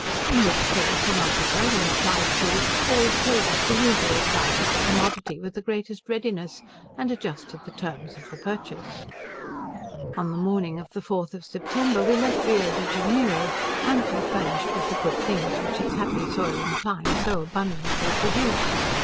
In which case an officer, when applied to, always told us the usual price of the commodity with the greatest readiness, and adjusted the terms of the purchase. On the morning of the fourth of September we left Rio de Janeiro, amply furnished with the good things which its happy soil and clime so abundantly produce.